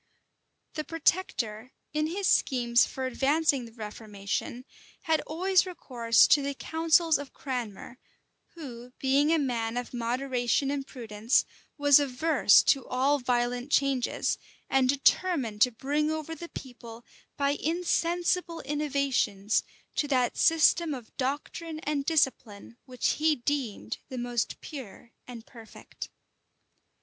The protector, in his schemes for advancing the reformation, had always recourse to the counsels of Cranmer, who, being a man of moderation and prudence, was averse to all violent changes, and determined to bring over the people, by insensible innovations, to that system of doctrine and discipline which he deemed the most pure and perfect.